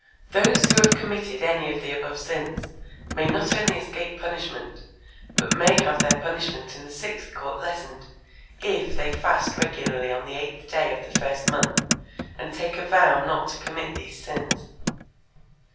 Those who have committed any of the above sins may not only escape punishment, but may have their punishment in the sixth court lessened, if they fast regularly on the eighth day of the first month and take a vow not to commit these sins.